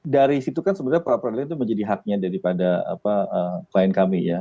dari situ kan sebenarnya pra peradilan itu menjadi haknya daripada klien kami ya